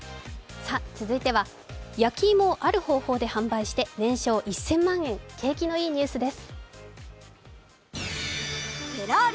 続いては焼きいもをある方法で販売して年商１０００万円、景気のいいニュースです。